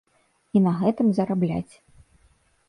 І на гэтым зарабляць.